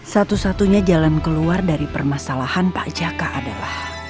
satu satunya jalan keluar dari permasalahan pak jaka adalah